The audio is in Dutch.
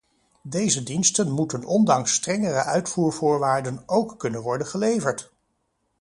Deze diensten moeten ondanks strengere uitvoervoorwaarden ook kunnen worden geleverd.